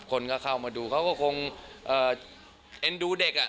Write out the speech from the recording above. คนก็เข้ามาดูเขาก็คงเอ็นดูเด็กอ่ะ